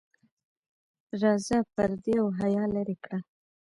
راځه پردې او حیا لرې کړه.